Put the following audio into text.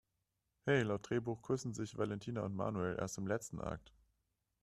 He, laut Drehbuch küssen sich Valentina und Manuel erst im letzten Akt!